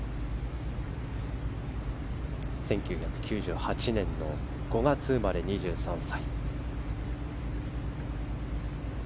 １９９８年の５月生まれ２３歳。